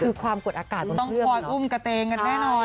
คือความกดอากาศต้องคอยอุ้มกระเตงกันแน่นอน